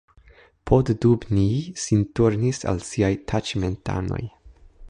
Poddubnij sin turnis al siaj taĉmentanoj.